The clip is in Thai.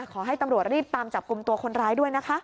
ขอให้ตำรวจรีบตามจับกลุ่มตัวคนร้ายด้วยนะคะ